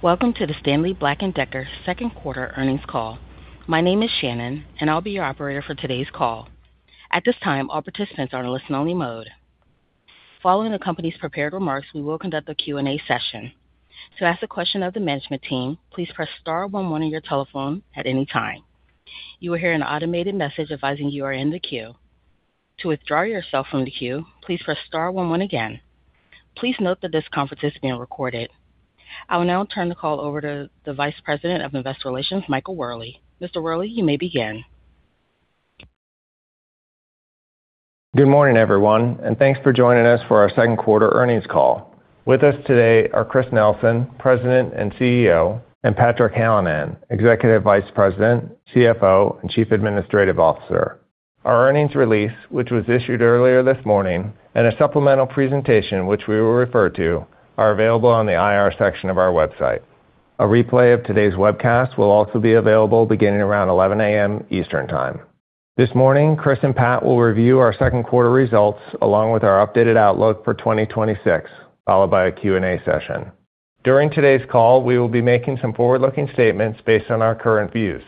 Welcome to the Stanley Black & Decker Q2 earnings call. My name is Shannon, and I'll be your operator for today's call. At this time, all participants are in listen only mode. Following the company's prepared remarks, we will conduct a Q&A session. To ask a question of the management team, please press star one one on your telephone at any time. You will hear an automated message advising you are in the queue. To withdraw yourself from the queue, please press star one one again. Please note that this conference is being recorded. I will now turn the call over to the Vice President of Investor Relations, Michael Wherley. Mr. Wherley, you may begin. Good morning, everyone, and thanks for joining us for our Q2 earnings call. With us today are Chris Nelson, President and CEO, and Patrick Hallinan, Executive Vice President, CFO, and Chief Administrative Officer. Our earnings release, which was issued earlier this morning, and a supplemental presentation, which we will refer to, are available on the IR section of our website. A replay of today's webcast will also be available beginning around 11:00 A.M. Eastern Time. This morning, Chris and Pat will review our Q2 results along with our updated outlook for 2026, followed by a Q&A session. During today's call, we will be making some forward-looking statements based on our current views.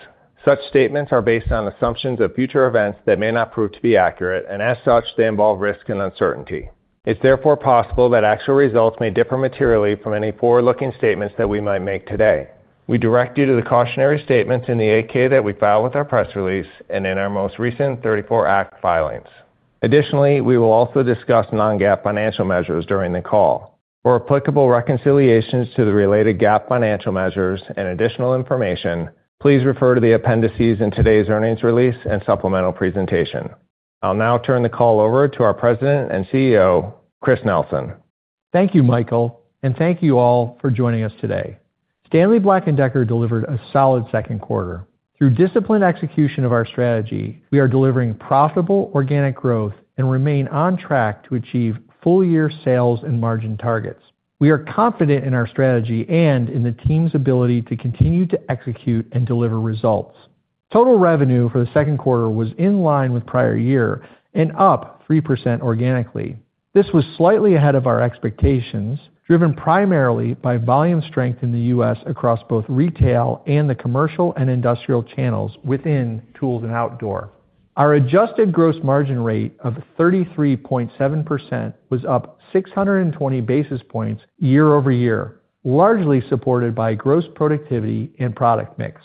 Such statements are based on assumptions of future events that may not prove to be accurate, and as such, they involve risk and uncertainty. It's therefore possible that actual results may differ materially from any forward-looking statements that we might make today. We direct you to the cautionary statements in the 8-K that we filed with our press release and in our most recent 34 Act filings. We will also discuss non-GAAP financial measures during the call. For applicable reconciliations to the related GAAP financial measures and additional information, please refer to the appendices in today's earnings release and supplemental presentation. I'll now turn the call over to our President and CEO, Chris Nelson. Thank you, Michael, and thank you all for joining us today. Stanley Black & Decker delivered a solid Q2. Through disciplined execution of our strategy, we are delivering profitable organic growth and remain on track to achieve full-year sales and margin targets. We are confident in our strategy and in the team's ability to continue to execute and deliver results. Total revenue for the Q2 was in line with prior year and up 3% organically. This was slightly ahead of our expectations, driven primarily by volume strength in the U.S. across both retail and the commercial and industrial channels within tools & outdoor. Our adjusted gross margin rate of 33.7% was up 620 basis points year-over-year, largely supported by gross productivity and product mix.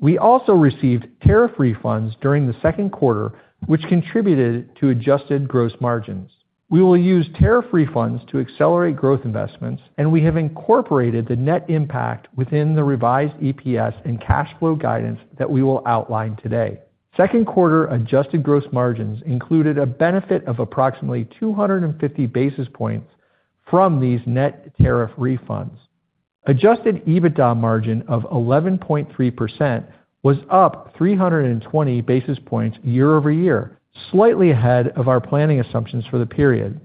We also received tariff refunds during the Q2, which contributed to adjusted gross margins. We will use tariff refunds to accelerate growth investments. We have incorporated the net impact within the revised EPS and cash flow guidance that we will outline today. Q2 adjusted gross margins included a benefit of approximately 250 basis points from these net tariff refunds. Adjusted EBITDA margin of 11.3% was up 320 basis points year-over-year, slightly ahead of our planning assumptions for the period.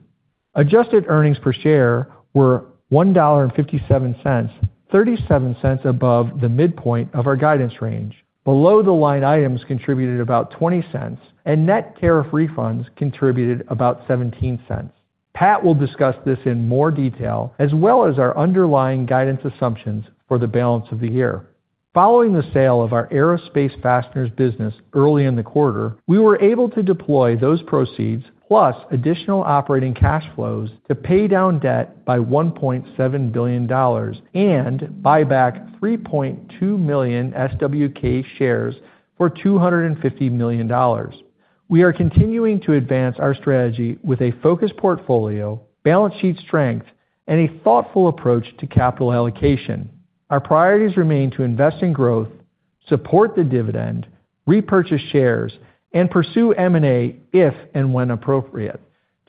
Adjusted earnings per share were $1.57, $0.37 above the midpoint of our guidance range. Below the line items contributed about $0.20. Net tariff refunds contributed about $0.17. Pat will discuss this in more detail, as well as our underlying guidance assumptions for the balance of the year. Following the sale of our aerospace fasteners business early in the quarter, we were able to deploy those proceeds plus additional operating cash flows to pay down debt by $1.7 billion and buy back 3.2 million SWK shares for $250 million. We are continuing to advance our strategy with a focused portfolio, balance sheet strength, and a thoughtful approach to capital allocation. Our priorities remain to invest in growth, support the dividend, repurchase shares, and pursue M&A if and when appropriate.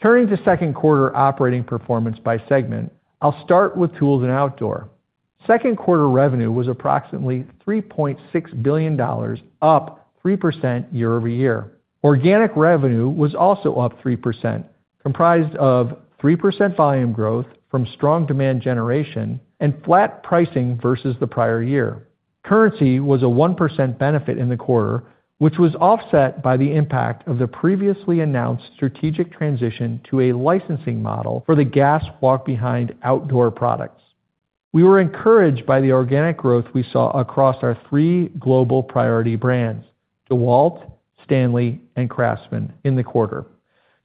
Turning to Q2 operating performance by segment, I'll start with Tools & Outdoor. Q2 revenue was approximately $3.6 billion, up 3% year-over-year. Organic revenue was also up 3%, comprised of 3% volume growth from strong demand generation and flat pricing versus the prior year. Currency was a 1% benefit in the quarter, which was offset by the impact of the previously announced strategic transition to a licensing model for the gas walk-behind outdoor products. We were encouraged by the organic growth we saw across our three global priority brands, DEWALT, STANLEY, and CRAFTSMAN, in the quarter.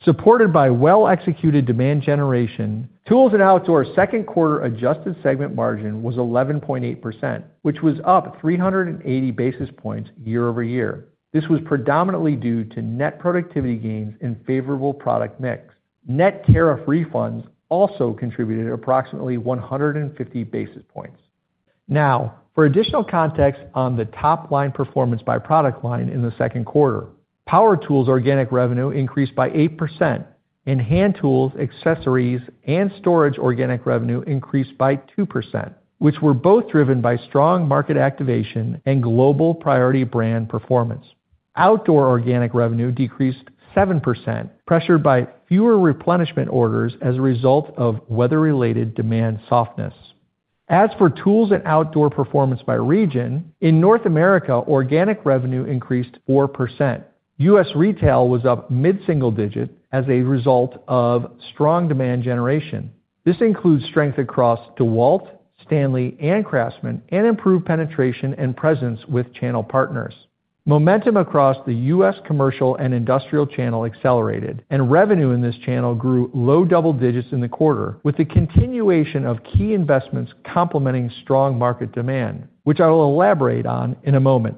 Supported by well-executed demand generation, Tools & Outdoor Q2 adjusted segment margin was 11.8%, which was up 380 basis points year-over-year. This was predominantly due to net productivity gains and favorable product mix. Net tariff refunds also contributed approximately 150 basis points. For additional context on the top-line performance by product line in the Q2. Power tools organic revenue increased by 8%. Hand tools, accessories, and storage organic revenue increased by 2%, which were both driven by strong market activation and global priority brand performance. Outdoor organic revenue decreased 7%, pressured by fewer replenishment orders as a result of weather-related demand softness. As for Tools & Outdoor performance by region, in North America, organic revenue increased 4%. U.S. retail was up mid-single digit as a result of strong demand generation. This includes strength across DEWALT, STANLEY, and CRAFTSMAN, and improved penetration and presence with channel partners. Momentum across the U.S. commercial and industrial channel accelerated. Revenue in this channel grew low double digits in the quarter, with the continuation of key investments complementing strong market demand, which I will elaborate on in a moment.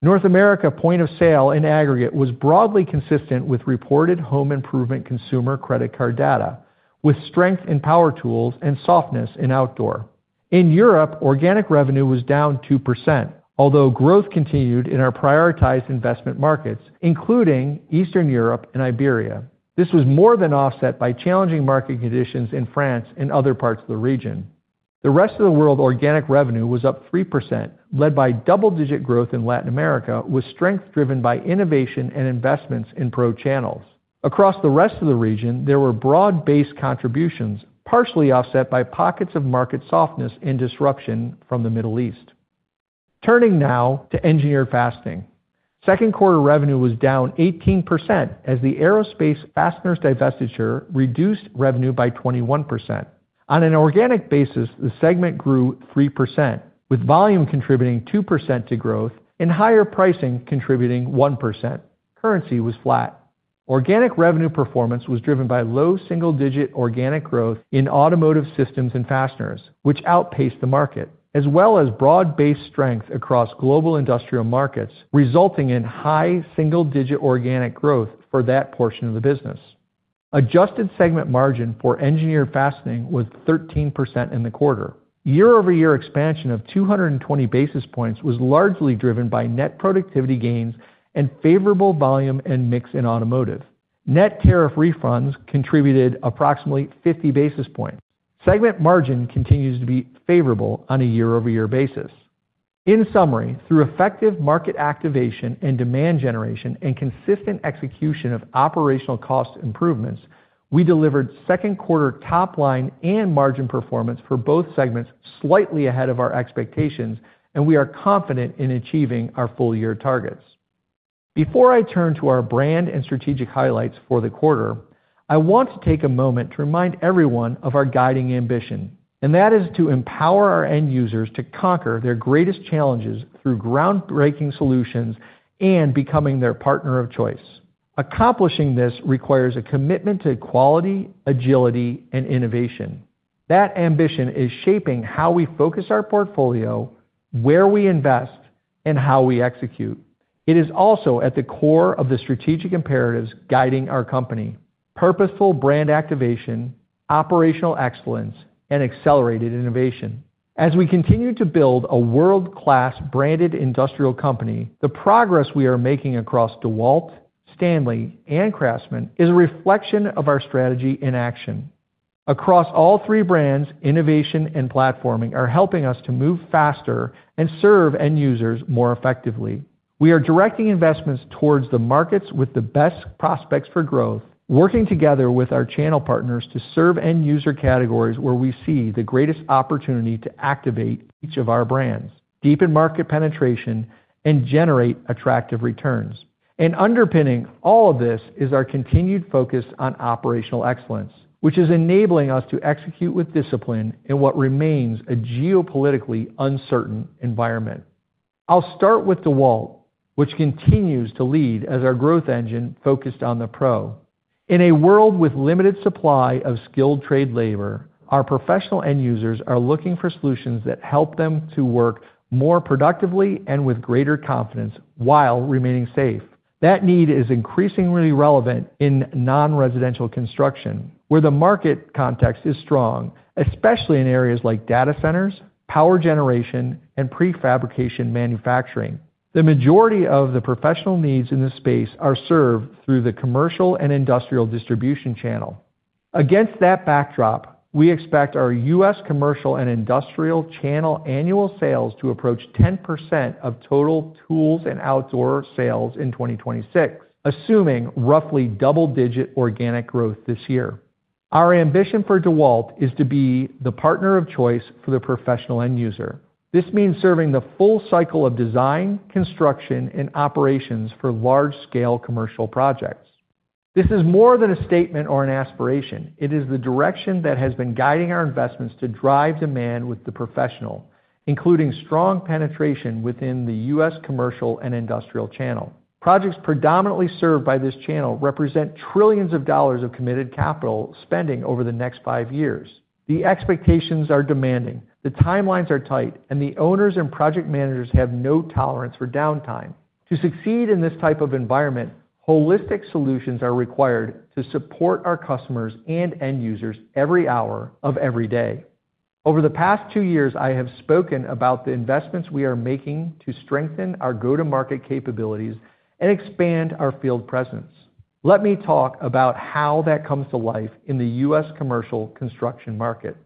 North America point of sale in aggregate was broadly consistent with reported home improvement consumer credit card data, with strength in power tools and softness in outdoor. In Europe, organic revenue was down 2%, although growth continued in our prioritized investment markets, including Eastern Europe and Iberia. This was more than offset by challenging market conditions in France and other parts of the region. The rest of the world organic revenue was up 3%, led by double-digit growth in Latin America, with strength driven by innovation and investments in pro channels. Across the rest of the region, there were broad-based contributions, partially offset by pockets of market softness and disruption from the Middle East. Turning now to Engineered Fastening. Q2 revenue was down 18% as the aerospace fasteners divestiture reduced revenue by 21%. On an organic basis, the segment grew 3%, with volume contributing 2% to growth and higher pricing contributing 1%. Currency was flat. Organic revenue performance was driven by low double-digit organic growth in automotive systems and fasteners, which outpaced the market, as well as broad-based strength across global industrial markets, resulting in high single-digit organic growth for that portion of the business. Adjusted segment margin for Engineered Fastening was 13% in the quarter. Year-over-year expansion of 220 basis points was largely driven by net productivity gains and favorable volume and mix in automotive. Net tariff refunds contributed approximately 50 basis points. Segment margin continues to be favorable on a year-over-year basis. In summary, through effective market activation and demand generation and consistent execution of operational cost improvements, we delivered Q2 top-line and margin performance for both segments slightly ahead of our expectations, and we are confident in achieving our full year targets. Before I turn to our brand and strategic highlights for the quarter, I want to take a moment to remind everyone of our guiding ambition, and that is to empower our end users to conquer their greatest challenges through groundbreaking solutions and becoming their partner of choice. Accomplishing this requires a commitment to quality, agility, and innovation. That ambition is shaping how we focus our portfolio, where we invest, and how we execute. It is also at the core of the strategic imperatives guiding our company: purposeful brand activation, operational excellence, and accelerated innovation. As we continue to build a world-class branded industrial company, the progress we are making across DEWALT, STANLEY, and CRAFTSMAN is a reflection of our strategy in action. Across all three brands, innovation and platforming are helping us to move faster and serve end users more effectively. We are directing investments towards the markets with the best prospects for growth, working together with our channel partners to serve end user categories where we see the greatest opportunity to activate each of our brands, deepen market penetration, and generate attractive returns. Underpinning all of this is our continued focus on operational excellence, which is enabling us to execute with discipline in what remains a geopolitically uncertain environment. I'll start with DEWALT, which continues to lead as our growth engine focused on the pro. In a world with limited supply of skilled trade labor, our professional end users are looking for solutions that help them to work more productively and with greater confidence while remaining safe. That need is increasingly relevant in non-residential construction, where the market context is strong, especially in areas like data centers, power generation, and prefabrication manufacturing. The majority of the professional needs in this space are served through the commercial and industrial distribution channel. Against that backdrop, we expect our U.S. commercial and industrial channel annual sales to approach 10% of total Tools & Outdoor sales in 2026, assuming roughly double-digit organic growth this year. Our ambition for DEWALT is to be the partner of choice for the professional end user. This means serving the full cycle of design, construction, and operations for large-scale commercial projects. This is more than a statement or an aspiration. It is the direction that has been guiding our investments to drive demand with the professional, including strong penetration within the U.S. commercial and industrial channel. Projects predominantly served by this channel represent trillions of dollars of committed capital spending over the next five years. The expectations are demanding, the timelines are tight, and the owners and project managers have no tolerance for downtime. To succeed in this type of environment, holistic solutions are required to support our customers and end users every hour of every day. Over the past two years, I have spoken about the investments we are making to strengthen our go-to-market capabilities and expand our field presence. Let me talk about how that comes to life in the U.S. commercial construction market.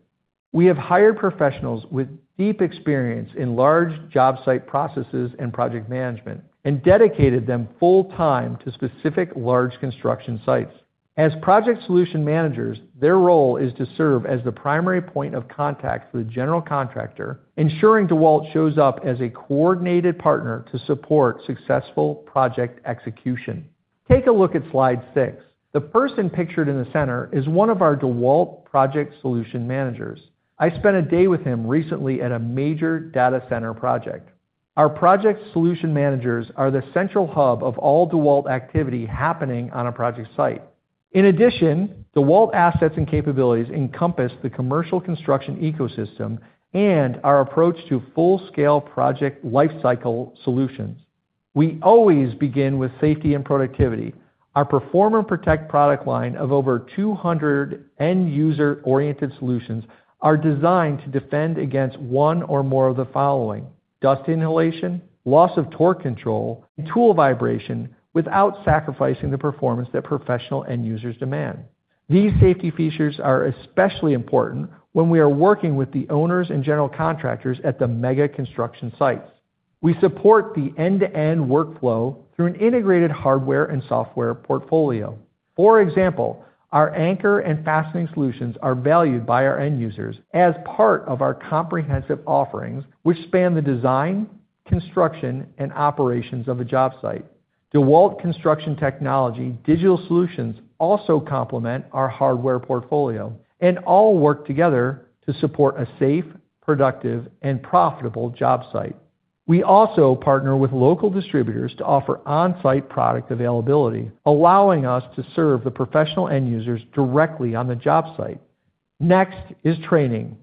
We have hired professionals with deep experience in large job site processes and project management and dedicated them full time to specific large construction sites. As project solution managers, their role is to serve as the primary point of contact for the general contractor, ensuring DEWALT shows up as a coordinated partner to support successful project execution. Take a look at slide six. The person pictured in the center is one of our DEWALT project solution managers. I spent a day with him recently at a major data center project. Our project solution managers are the central hub of all DEWALT activity happening on a project site. In addition, DEWALT assets and capabilities encompass the commercial construction ecosystem and our approach to full-scale project life cycle solutions. We always begin with safety and productivity. Our PERFORM & PROTECT product line of over 200 end-user-oriented solutions are designed to defend against one or more of the following: dust inhalation, loss of torque control, and tool vibration, without sacrificing the performance that professional end users demand. These safety features are especially important when we are working with the owners and general contractors at the mega construction sites. We support the end-to-end workflow through an integrated hardware and software portfolio. For example, our anchor and fastening solutions are valued by our end users as part of our comprehensive offerings, which span the design, construction, and operations of a job site. DEWALT construction technology digital solutions also complement our hardware portfolio and all work together to support a safe, productive, and profitable job site. We also partner with local distributors to offer on-site product availability, allowing us to serve the professional end users directly on the job site. Next is training.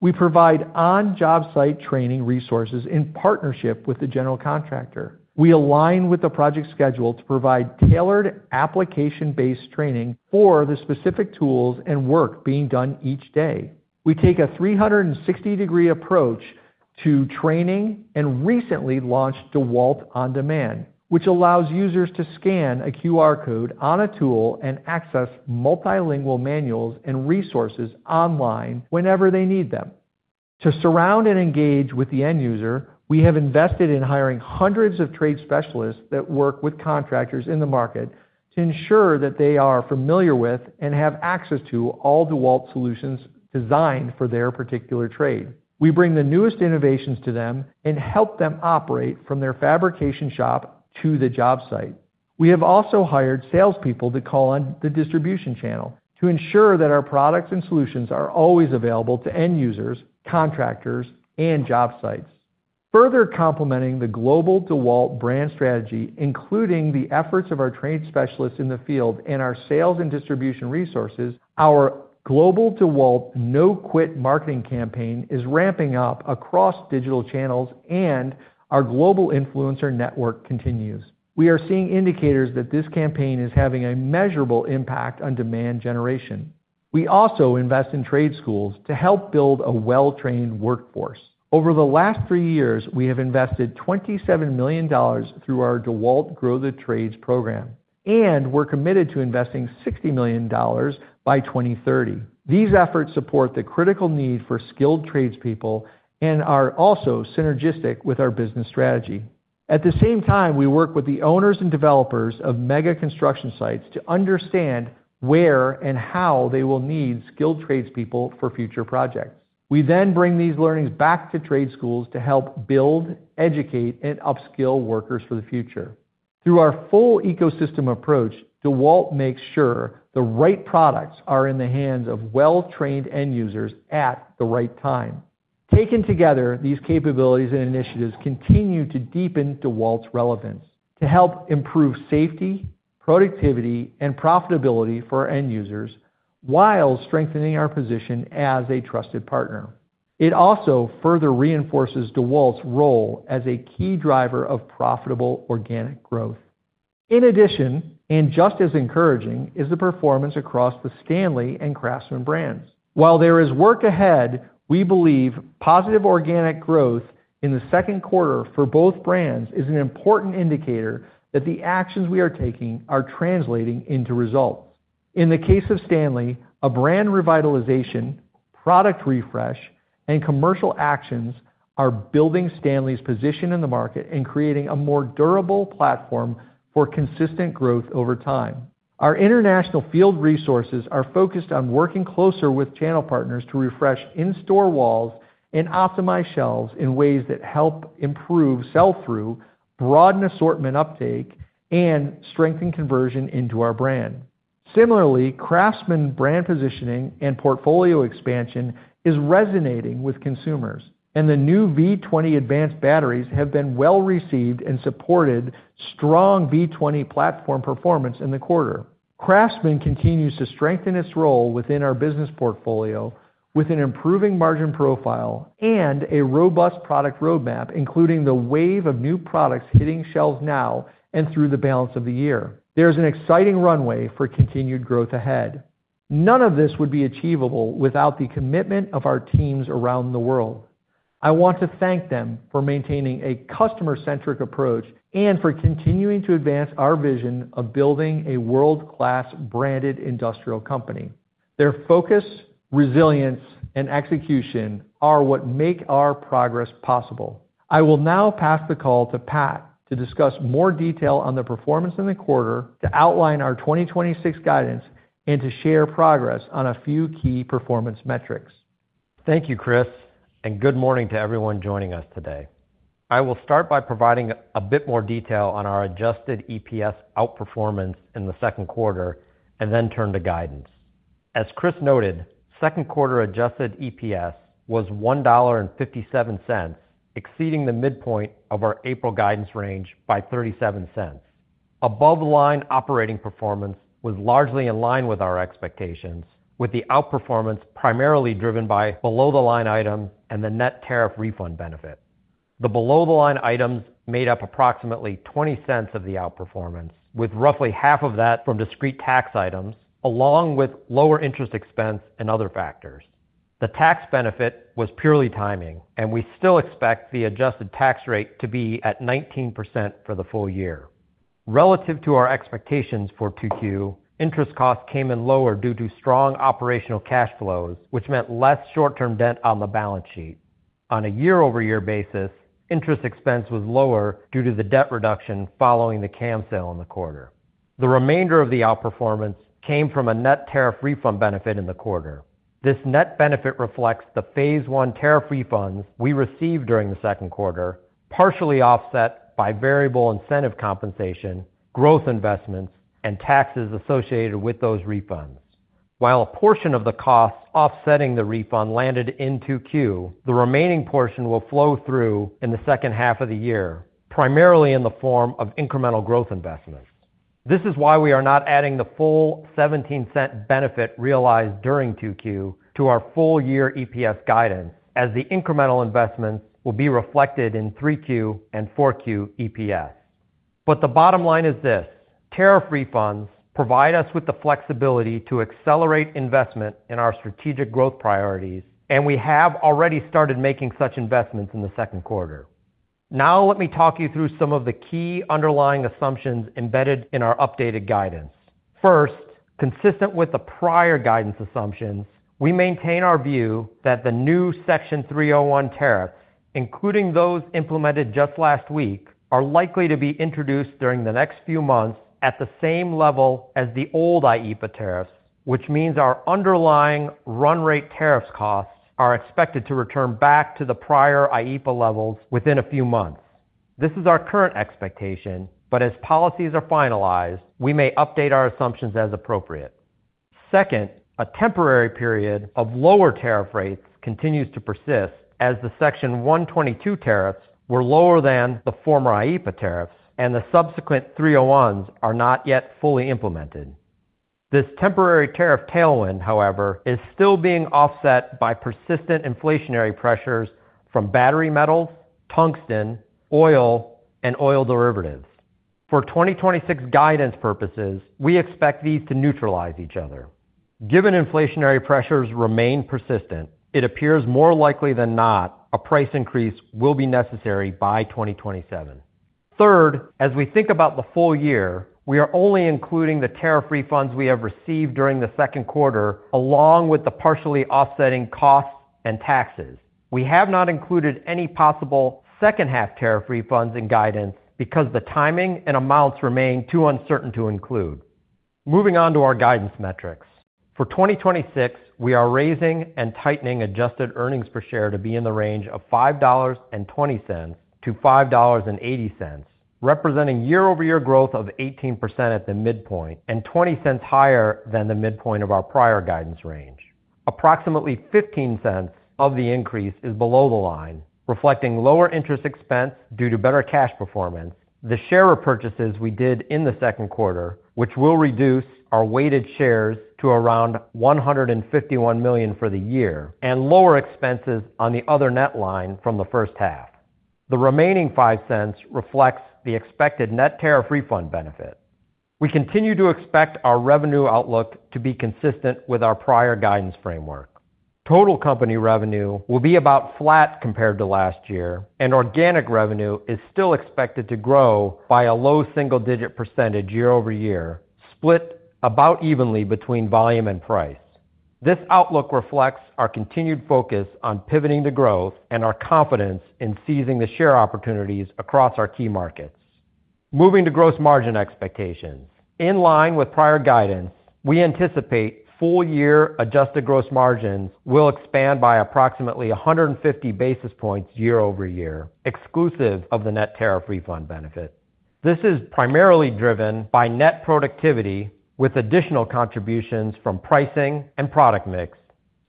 We provide on-job site training resources in partnership with the general contractor. We align with the project schedule to provide tailored application-based training for the specific tools and work being done each day. We take a 360-degree approach to training and recently launched DEWALT On Demand, which allows users to scan a QR code on a tool and access multilingual manuals and resources online whenever they need them. To surround and engage with the end user, we have invested in hiring hundreds of trade specialists that work with contractors in the market to ensure that they are familiar with and have access to all DEWALT solutions designed for their particular trade. We bring the newest innovations to them and help them operate from their fabrication shop to the job site. We have also hired salespeople to call on the distribution channel to ensure that our products and solutions are always available to end users, contractors, and job sites. Further complementing the global DEWALT brand strategy, including the efforts of our trade specialists in the field and our sales and distribution resources, our global DEWALT No Quit marketing campaign is ramping up across digital channels, and our global influencer network continues. We are seeing indicators that this campaign is having a measurable impact on demand generation. We also invest in trade schools to help build a well-trained workforce. Over the last three years, we have invested $27 million through our DEWALT Grow The Trades program, and we're committed to investing $60 million by 2030. These efforts support the critical need for skilled tradespeople and are also synergistic with our business strategy. At the same time, we work with the owners and developers of mega construction sites to understand where and how they will need skilled tradespeople for future projects. We then bring these learnings back to trade schools to help build, educate, and upskill workers for the future. Through our full ecosystem approach, DEWALT makes sure the right products are in the hands of well-trained end users at the right time. Taken together, these capabilities and initiatives continue to deepen DEWALT's relevance to help improve safety, productivity, and profitability for our end users while strengthening our position as a trusted partner. It also further reinforces DEWALT's role as a key driver of profitable organic growth. In addition, and just as encouraging, is the performance across the STANLEY and CRAFTSMAN brands. While there is work ahead, we believe positive organic growth in the Q2 for both brands is an important indicator that the actions we are taking are translating into results. In the case of STANLEY, a brand revitalization, product refresh, and commercial actions are building STANLEY's position in the market and creating a more durable platform for consistent growth over time. Our international field resources are focused on working closer with channel partners to refresh in-store walls and optimize shelves in ways that help improve sell-through, broaden assortment uptake, and strengthen conversion into our brand. Similarly, CRAFTSMAN brand positioning and portfolio expansion is resonating with consumers, and the new V20 advanced batteries have been well received and supported strong V20 platform performance in the quarter. CRAFTSMAN continues to strengthen its role within our business portfolio with an improving margin profile and a robust product roadmap, including the wave of new products hitting shelves now and through the balance of the year. There's an exciting runway for continued growth ahead. None of this would be achievable without the commitment of our teams around the world. I want to thank them for maintaining a customer-centric approach and for continuing to advance our vision of building a world-class branded industrial company. Their focus, resilience, and execution are what make our progress possible. I will now pass the call to Pat to discuss more detail on the performance in the quarter, to outline our 2026 guidance, and to share progress on a few key performance metrics. Thank you, Chris, and good morning to everyone joining us today. I will start by providing a bit more detail on our adjusted EPS outperformance in the Q2 and then turn to guidance. As Chris noted, Q2 adjusted EPS was $1.57, exceeding the midpoint of our April guidance range by $0.37. Above-line operating performance was largely in line with our expectations, with the outperformance primarily driven by below-the-line items and the net tariff refund benefit. The below-the-line items made up approximately $0.20 of the outperformance, with roughly half of that from discrete tax items, along with lower interest expense and other factors. The tax benefit was purely timing, and we still expect the adjusted tax rate to be at 19% for the full year. Relative to our expectations for 2Q, interest costs came in lower due to strong operational cash flows, which meant less short-term debt on the balance sheet. On a year-over-year basis, interest expense was lower due to the debt reduction following the CAM sale in the quarter. The remainder of the outperformance came from a net tariff refund benefit in the quarter. This net benefit reflects the phase I tariff refunds we received during the Q2, partially offset by variable incentive compensation, growth investments, and taxes associated with those refunds. While a portion of the costs offsetting the refund landed in 2Q, the remaining portion will flow through in the second half of the year, primarily in the form of incremental growth investments. This is why we are not adding the full $0.17 benefit realized during 2Q to our full-year EPS guidance, as the incremental investments will be reflected in 3Q and 4Q EPS. The bottom line is this: tariff refunds provide us with the flexibility to accelerate investment in our strategic growth priorities, and we have already started making such investments in the Q2. Now let me talk you through some of the key underlying assumptions embedded in our updated guidance. First, consistent with the prior guidance assumptions, we maintain our view that the new Section 301 tariffs, including those implemented just last week, are likely to be introduced during the next few months at the same level as the old IEEPA tariffs. Which means our underlying run rate tariff costs are expected to return back to the prior IEEPA levels within a few months. This is our current expectation, as policies are finalized, we may update our assumptions as appropriate. Second, a temporary period of lower tariff rates continues to persist as the Section 122 tariffs were lower than the former IEEPA tariffs, and the subsequent 301s are not yet fully implemented. This temporary tariff tailwind, however, is still being offset by persistent inflationary pressures from battery metals, tungsten, oil, and oil derivatives. For 2026 guidance purposes, we expect these to neutralize each other. Given inflationary pressures remain persistent, it appears more likely than not a price increase will be necessary by 2027. Third, as we think about the full year, we are only including the tariff refunds we have received during the Q2, along with the partially offsetting costs and taxes. We have not included any possible second half tariff refunds and guidance because the timing and amounts remain too uncertain to include. Moving on to our guidance metrics. For 2026, we are raising and tightening adjusted earnings per share to be in the range of $5.20-$5.80, representing year-over-year growth of 18% at the midpoint and $0.20 higher than the midpoint of our prior guidance range. Approximately $0.15 of the increase is below the line, reflecting lower interest expense due to better cash performance, the share repurchases we did in the Q2, which will reduce our weighted shares to around 151 million for the year, and lower expenses on the other net line from the first half. The remaining $0.05 reflects the expected net tariff refund benefit. We continue to expect our revenue outlook to be consistent with our prior guidance framework. Total company revenue will be about flat compared to last year, and organic revenue is still expected to grow by a low single-digit percentage year-over-year, split about evenly between volume and price. This outlook reflects our continued focus on pivoting to growth and our confidence in seizing the share opportunities across our key markets. Moving to gross margin expectations. In line with prior guidance, we anticipate full-year adjusted gross margins will expand by approximately 150 basis points year-over-year, exclusive of the net tariff refund benefit. This is primarily driven by net productivity with additional contributions from pricing and product mix.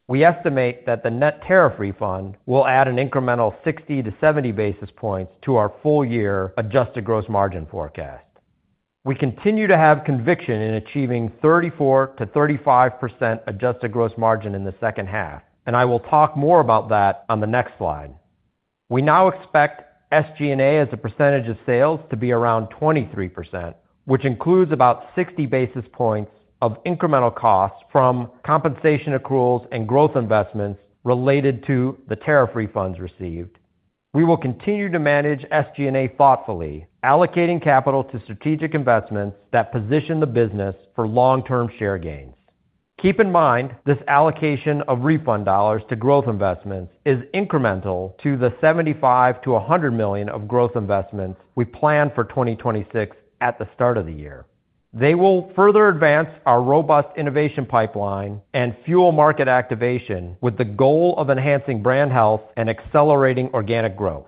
We estimate that the net tariff refund will add an incremental 60 to 70 basis points to our full-year adjusted gross margin forecast. We continue to have conviction in achieving 34%-35% adjusted gross margin in the second half, and I will talk more about that on the next slide. We now expect SG&A as a percentage of sales to be around 23%, which includes about 60 basis points of incremental costs from compensation accruals and growth investments related to the tariff refunds received. We will continue to manage SG&A thoughtfully, allocating capital to strategic investments that position the business for long-term share gains. Keep in mind, this allocation of refund dollars to growth investments is incremental to the $75 million-$100 million of growth investments we planned for 2026 at the start of the year. They will further advance our robust innovation pipeline and fuel market activation with the goal of enhancing brand health and accelerating organic growth.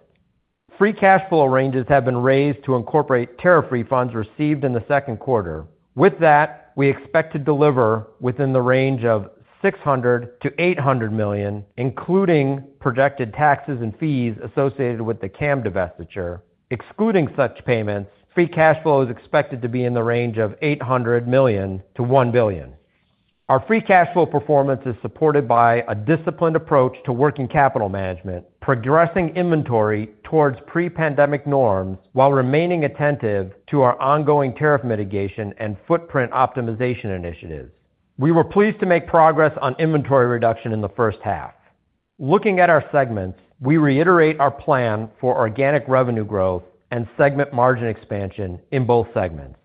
Free cash flow ranges have been raised to incorporate tariff refunds received in the Q2. With that, we expect to deliver within the range of $600 million-$800 million, including projected taxes and fees associated with the CAM divestiture. Excluding such payments, free cash flow is expected to be in the range of $800 million-$1 billion. Our free cash flow performance is supported by a disciplined approach to working capital management, progressing inventory towards pre-pandemic norms while remaining attentive to our ongoing tariff mitigation and footprint optimization initiatives. We were pleased to make progress on inventory reduction in the first half. Looking at our segments, we reiterate our plan for organic revenue growth and segment margin expansion in both segments.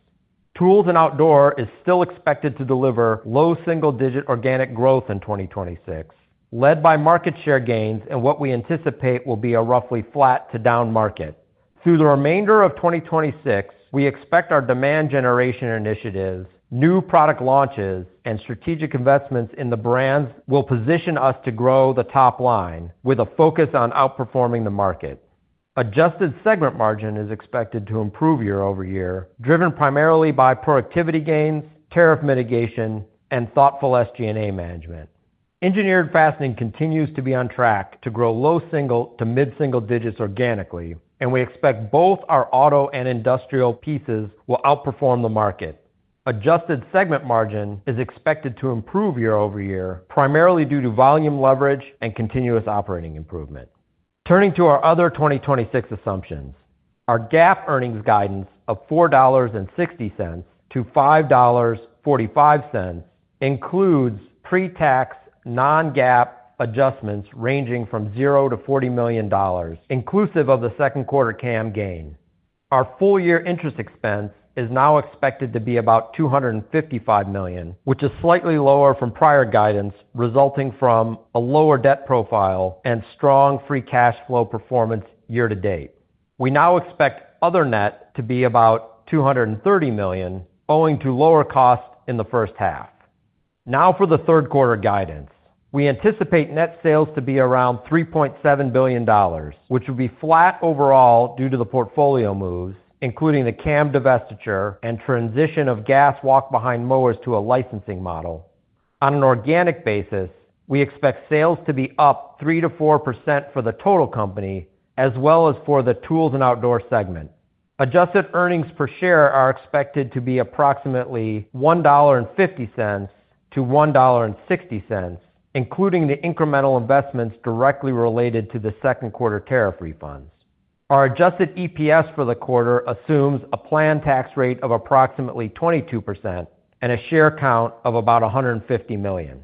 Tools and Outdoor is still expected to deliver low single-digit organic growth in 2026, led by market share gains in what we anticipate will be a roughly flat to down market. Through the remainder of 2026, we expect our demand generation initiatives, new product launches, and strategic investments in the brands will position us to grow the top line with a focus on outperforming the market. Adjusted segment margin is expected to improve year-over-year, driven primarily by productivity gains, tariff mitigation, and thoughtful SG&A management. Engineered Fastening continues to be on track to grow low single to mid-single digits organically, and we expect both our auto and industrial pieces will outperform the market. Adjusted segment margin is expected to improve year-over-year, primarily due to volume leverage and continuous operating improvement. Turning to our other 2026 assumptions, our GAAP earnings guidance of $4.60-$5.45 includes pre-tax non-GAAP adjustments ranging from zero to $40 million, inclusive of the Q2 CAM gain. Our full-year interest expense is now expected to be about $255 million, which is slightly lower from prior guidance, resulting from a lower debt profile and strong free cash flow performance year-to-date. We now expect other net to be about $230 million, owing to lower cost in the first half. For the third quarter guidance. We anticipate net sales to be around $3.7 billion, which would be flat overall due to the portfolio moves, including the CAM divestiture and transition of gas walk behind mowers to a licensing model. On an organic basis, we expect sales to be up 3%-4% for the total company, as well as for the Tools and Outdoor segment. Adjusted earnings per share are expected to be approximately $1.50-$1.60, including the incremental investments directly related to the Q2 tariff refunds. Our adjusted EPS for the quarter assumes a planned tax rate of approximately 22% and a share count of about 150 million.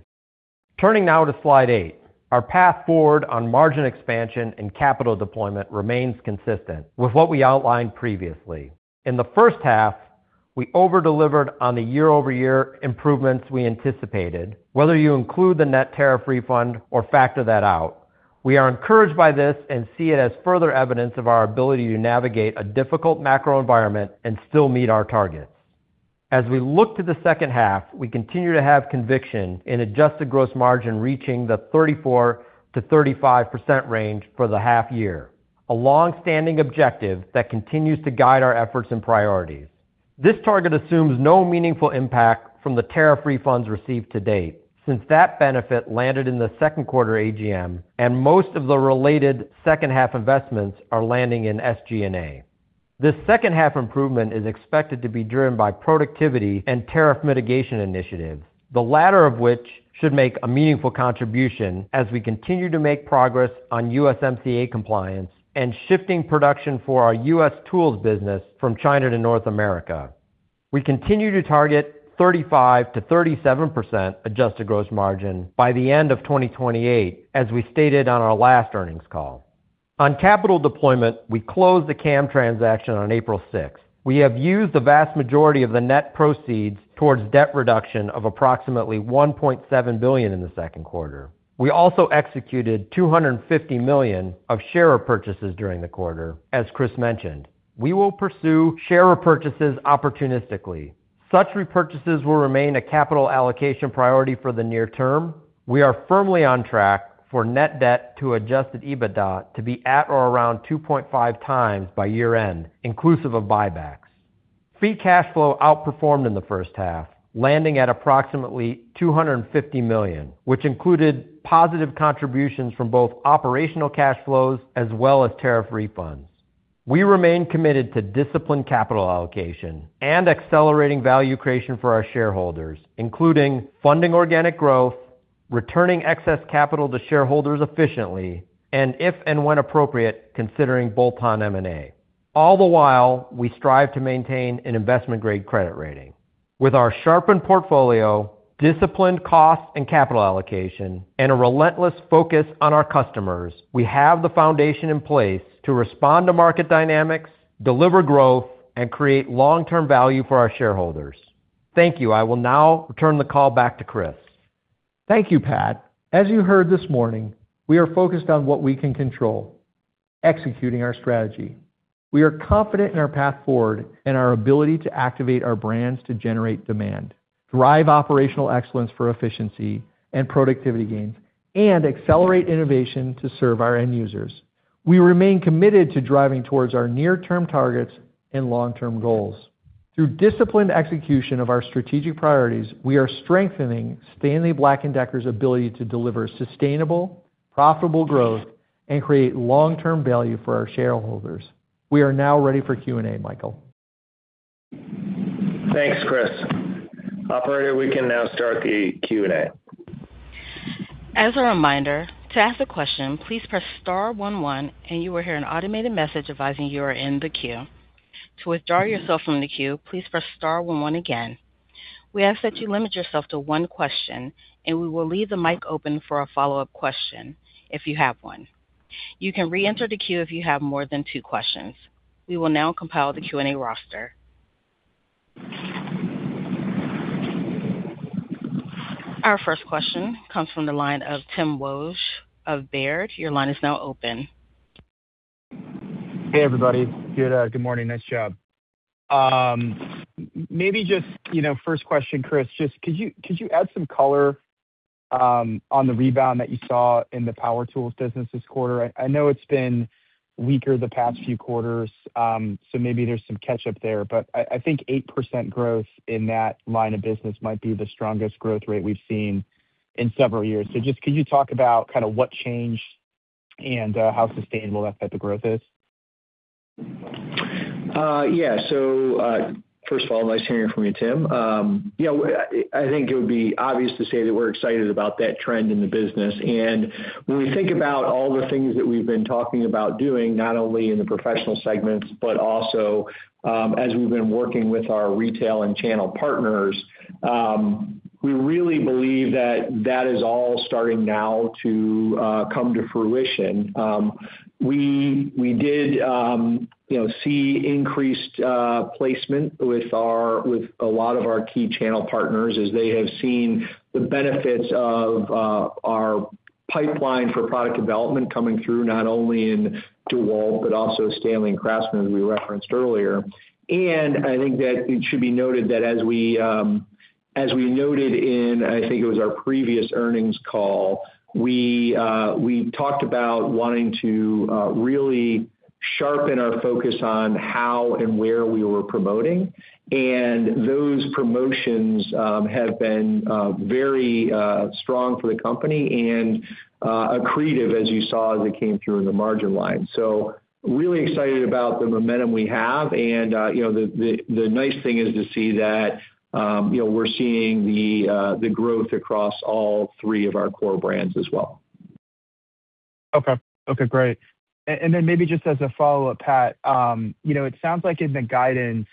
Turning now to slide eight, our path forward on margin expansion and capital deployment remains consistent with what we outlined previously. In the first half, we over-delivered on the year-over-year improvements we anticipated, whether you include the net tariff refund or factor that out. We are encouraged by this and see it as further evidence of our ability to navigate a difficult macro environment and still meet our targets. As we look to the second half, we continue to have conviction in adjusted gross margin reaching the 34%-35% range for the half year, a longstanding objective that continues to guide our efforts and priorities. This target assumes no meaningful impact from the tariff refunds received to date, since that benefit landed in the Q2 AGM, and most of the related second half investments are landing in SG&A. This second half improvement is expected to be driven by productivity and tariff mitigation initiatives, the latter of which should make a meaningful contribution as we continue to make progress on USMCA compliance and shifting production for our U.S. tools business from China to North America. We continue to target 35%-37% adjusted gross margin by the end of 2028, as we stated on our last earnings call. On capital deployment, we closed the CAM transaction on April 6th. We have used the vast majority of the net proceeds towards debt reduction of approximately $1.7 billion in the Q2. We also executed $250 million of share repurchases during the quarter, as Chris mentioned. We will pursue share repurchases opportunistically. Such repurchases will remain a capital allocation priority for the near term. We are firmly on track for net debt to adjusted EBITDA to be at or around 2.5x by year end, inclusive of buybacks. Free cash flow outperformed in the first half, landing at approximately $250 million, which included positive contributions from both operational cash flows as well as tariff refunds. We remain committed to disciplined capital allocation and accelerating value creation for our shareholders, including funding organic growth, returning excess capital to shareholders efficiently, and if and when appropriate, considering bolt-on M&A. All the while, we strive to maintain an investment-grade credit rating. With our sharpened portfolio, disciplined cost and capital allocation, and a relentless focus on our customers, we have the foundation in place to respond to market dynamics, deliver growth, and create long-term value for our shareholders. Thank you. I will now turn the call back to Chris. Thank you, Pat. As you heard this morning, we are focused on what we can control, executing our strategy. We are confident in our path forward and our ability to activate our brands to generate demand, drive operational excellence for efficiency and productivity gains, and accelerate innovation to serve our end users. We remain committed to driving towards our near-term targets and long-term goals. Through disciplined execution of our strategic priorities, we are strengthening Stanley Black & Decker's ability to deliver sustainable, profitable growth and create long-term value for our shareholders. We are now ready for Q&A. Michael? Thanks, Chris. Operator, we can now start the Q&A. As a reminder, to ask a question, please press star one one and you will hear an automated message advising you are in the queue. To withdraw yourself from the queue, please press star one one again. We ask that you limit yourself to one question, and we will leave the mic open for a follow-up question if you have one. You can re-enter the queue if you have more than two questions. We will now compile the Q&A roster. Our first question comes from the line of Tim Wojs of Baird. Your line is now open. Hey, everybody. Good morning. Nice job. Maybe just first question, Chris, just could you add some color on the rebound that you saw in the power tools business this quarter? I know it's been weaker the past few quarters, so maybe there's some catch-up there, but I think 8% growth in that line of business might be the strongest growth rate we've seen in several years. Just could you talk about what changed and how sustainable that type of growth is? Yeah. First of all, nice hearing from you, Tim. I think it would be obvious to say that we're excited about that trend in the business. When we think about all the things that we've been talking about doing, not only in the professional segments, but also as we've been working with our retail and channel partners, we really believe that that is all starting now to come to fruition. We did see increased placement with a lot of our key channel partners as they have seen the benefits of our pipeline for product development coming through, not only in DEWALT, but also STANLEY and CRAFTSMAN, as we referenced earlier. I think it should be noted that as we noted in, I think it was our previous earnings call, we talked about wanting to really sharpen our focus on how and where we were promoting. Those promotions have been very strong for the company and accretive, as you saw as it came through in the margin line. Really excited about the momentum we have. The nice thing is to see that we're seeing the growth across all three of our core brands as well. Okay. Great. Maybe just as a follow-up, Pat, it sounds like in the guidance,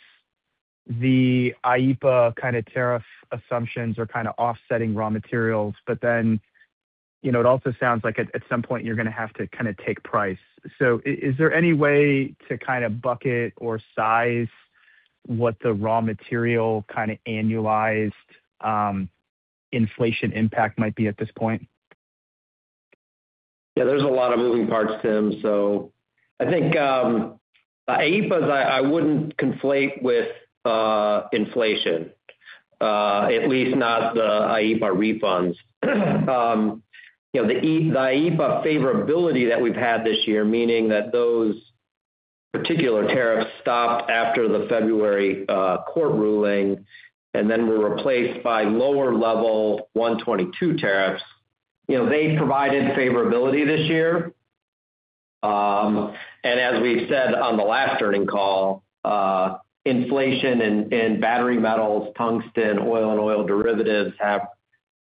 the IEEPA kind of tariff assumptions are kind of offsetting raw materials, but then it also sounds like at some point you're going to have to take price. Is there any way to kind of bucket or size what the raw material kind of annualized inflation impact might be at this point? Yeah, there's a lot of moving parts, Tim. I think IEEPA, I wouldn't conflate with inflation. At least not the IEEPA refunds. The IEEPA favorability that we've had this year, meaning that those particular tariffs stopped after the February court ruling and then were replaced by lower level 122 tariffs. They provided favorability this year. As we've said on the last earning call, inflation in battery metals, tungsten, oil, and oil derivatives have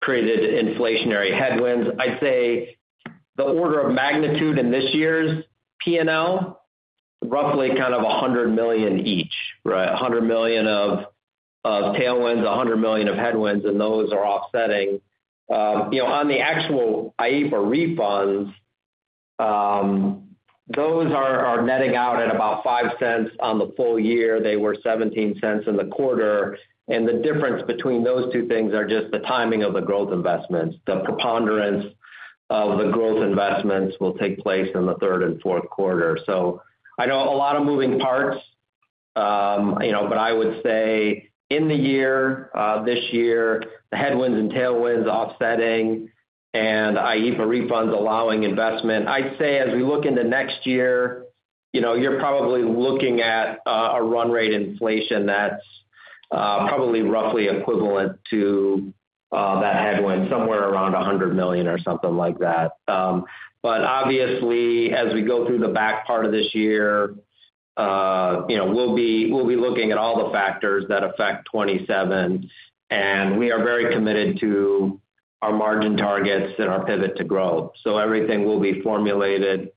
created inflationary headwinds. I'd say the order of magnitude in this year's P&L, roughly $100 million each, right? $100 million of tailwinds, $100 million of headwinds, and those are offsetting. On the actual IEEPA refunds, those are netting out at about $0.05 on the full year. They were $0.17 in the quarter, The difference between those two things are just the timing of the growth investments. The preponderance of the growth investments will take place in the Q3 and Q4. I know a lot of moving parts, but I would say in the year, this year, the headwinds and tailwinds offsetting and IEEPA refunds allowing investment. I'd say as we look into next year, you're probably looking at a run rate inflation that's probably roughly equivalent to that headwind, somewhere around $100 million or something like that. Obviously as we go through the back part of this year, we'll be looking at all the factors that affect 2027, We are very committed to our margin targets and our pivot to growth. Everything will be formulated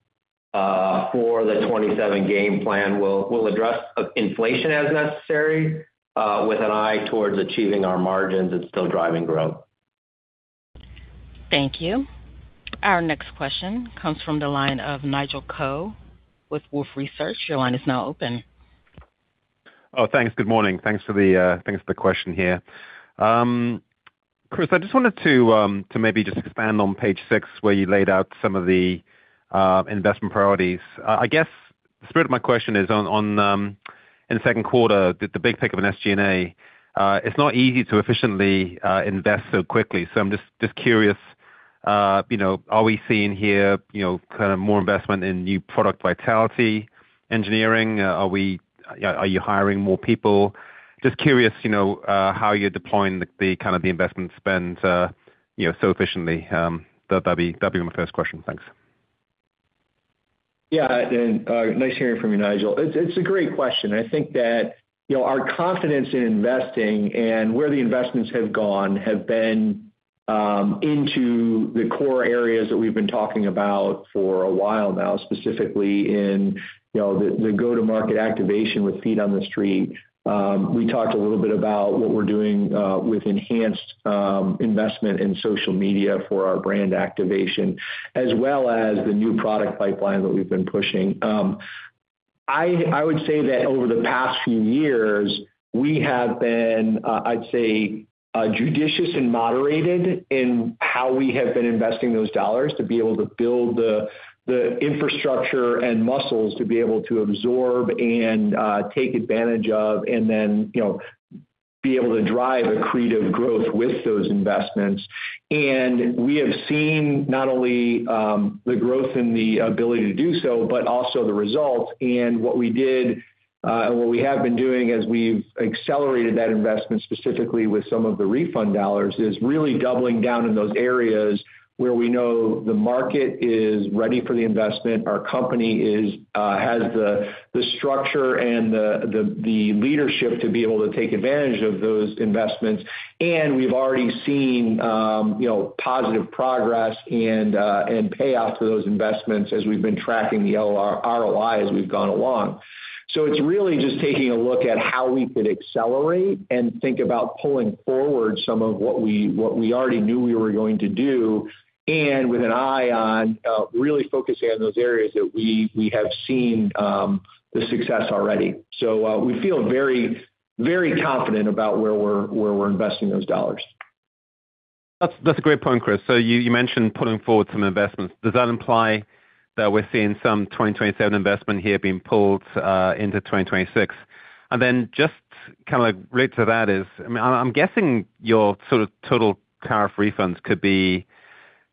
for the 2027 game plan. We'll address inflation as necessary with an eye towards achieving our margins and still driving growth. Thank you. Our next question comes from the line of Nigel Coe with Wolfe Research. Your line is now open. Thanks. Good morning. Thanks for the question here. Chris, I just wanted to maybe just expand on page six where you laid out some of the investment priorities. I guess the spirit of my question is in the Q2, the big pick of an SG&A. It's not easy to efficiently invest so quickly. I'm just curious, are we seeing here more investment in new product vitality, engineering? Are you hiring more people? Just curious how you're deploying the investment spend so efficiently. That'd be my first question. Thanks. Yeah. Nice hearing from you, Nigel. It's a great question, and I think that our confidence in investing and where the investments have gone have been into the core areas that we've been talking about for a while now, specifically in the go-to-market activation with feet on the street. We talked a little bit about what we're doing with enhanced investment in social media for our brand activation, as well as the new product pipeline that we've been pushing. I would say that over the past few years, we have been, I'd say, judicious and moderated in how we have been investing those dollars to be able to build the infrastructure and muscles to be able to absorb and take advantage of, and then be able to drive accretive growth with those investments. We have seen not only the growth in the ability to do so, but also the results. What we have been doing as we've accelerated that investment, specifically with some of the refund dollars, is really doubling down in those areas where we know the market is ready for the investment. Our company has the structure and the leadership to be able to take advantage of those investments, and we've already seen positive progress and payoff for those investments as we've been tracking the ROI as we've gone along. It's really just taking a look at how we could accelerate and think about pulling forward some of what we already knew we were going to do, and with an eye on really focusing on those areas that we have seen the success already. We feel very confident about where we're investing those dollars. That's a great point, Chris. You mentioned pulling forward some investments. Does that imply that we're seeing some 2027 investment here being pulled into 2026? And then just kind of related to that is, I'm guessing your sort of total tariff refunds could be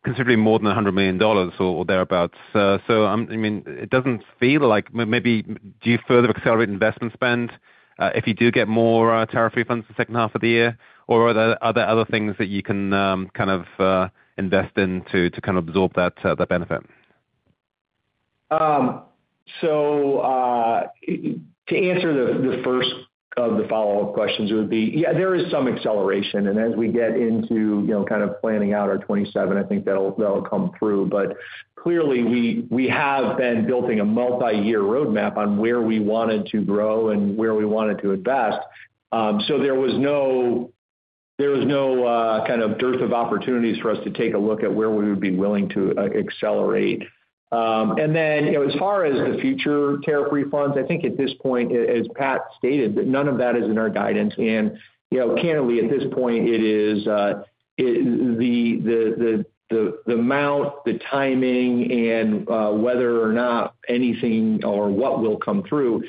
considerably more than $100 million or thereabouts. It doesn't feel like maybe do you further accelerate investment spend if you do get more tariff refunds the second half of the year, or are there other things that you can kind of invest in to kind of absorb that benefit? To answer the first of the follow-up questions would be, yeah, there is some acceleration, and as we get into kind of planning out our 2027, I think that'll come through. Clearly we have been building a multi-year roadmap on where we wanted to grow and where we wanted to invest. There was no kind of dearth of opportunities for us to take a look at where we would be willing to accelerate. Then, as far as the future tariff refunds, I think at this point, as Pat stated, none of that is in our guidance. Candidly, at this point, the amount, the timing, and whether or not anything or what will come through